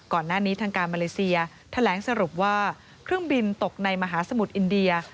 ก่อนหน้านี้ทางการมาเลเซียแถลงสรุปว่าเครื่องบินตกในมหาสมุทรอินเดีย